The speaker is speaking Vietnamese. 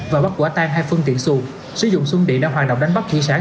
và bắt quả tan hai phương tiện xuồng sử dụng xuân địa đang hoàn động đánh bắt thủy sản